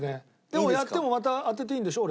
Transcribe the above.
でもやってもまた当てていいんでしょ？